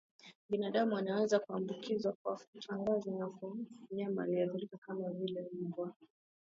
Binadamu anaweza kuambukizwa kwa kung'atwa au kukwaruzwa na mnyama aliyeathirika kama vile mbwa